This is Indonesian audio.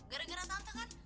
gara gara tante kan